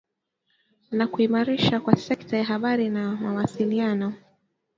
na kuimarishwa kwa sekta ya habari na mawasiliano